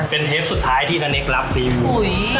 เป็นเทปสุดท้ายที่นาเน็กรับฟรีหมู